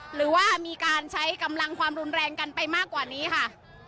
หรือว่ามีการใช้กำลังความรุนแรงกันไปมากกว่านี้ค่ะ